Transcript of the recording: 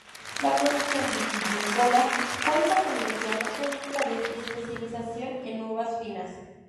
La producción vitivinícola cuenta con medianos productores y especialización en uvas finas.